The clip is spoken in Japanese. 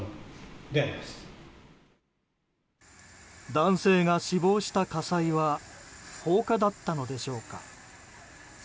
男性が死亡した火災は放火だったのでしょうか。